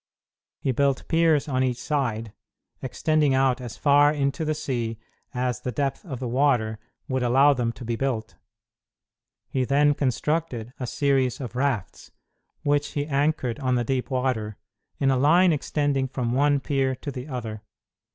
He built piers on each side, extending out as far into the sea as the depth of the water would allow them to be built. He then constructed a series of rafts, which he anchored on the deep water, in a line extending from one pier to the other.